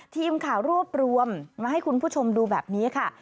ทีมข่าวรวบรวมมาให้คุณผู้ชมดูแบบนี้ค่ะ